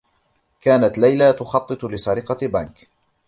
كانت ليلى تخطّط لسرقة بنك.